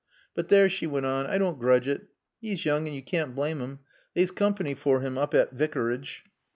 "But there," she went on. "I doan't groodge it. 'E's yoong and you caann't blaame him. They's coompany for him oop at Vicarage."